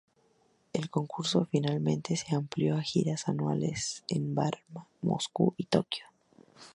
El concurso finalmente se amplió a giras anuales en Varna, Moscú y Tokio.